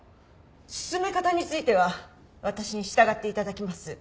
進め方については私に従って頂きます。